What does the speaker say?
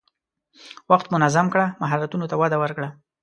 وخت منظم کړه، مهارتونو ته وده ورکړه.